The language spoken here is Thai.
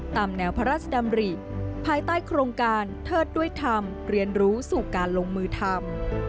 ตามแนวพระราชดำริภายใต้โครงการเทิดด้วยธรรมเรียนรู้สู่การลงมือทำ